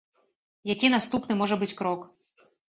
Які наступны можа быць крок?